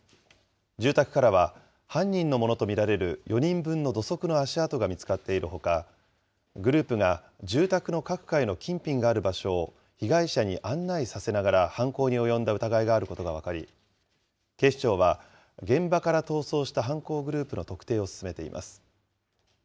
住宅からは犯人のものと見られる４人分の土足の足跡が見つかっているほか、グループが住宅の各階の金品がある場所を被害者に案内させながら、犯行に及んだ疑いがあることが分かり、警視庁は現場から逃走した犯行グループの特定を進めています。